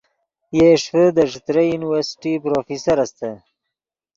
یئے ݰیفے دے ݯتریئی یونیورسٹی پروفیسر استت